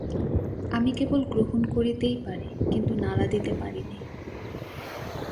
আমি কেবল গ্রহণ করতেই পারি, কিন্তু নাড়া দিতে পারি নে।